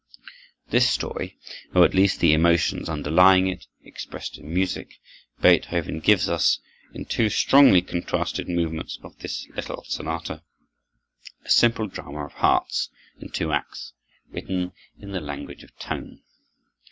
This story, or at least the emotions underlying it, expressed in music, Beethoven gives us in the two strongly contrasted movements of this little sonata: a simple drama of hearts, in two acts, written in the language of tone.